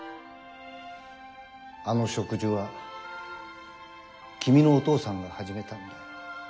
あの植樹は君のお父さんが始めたんだよ。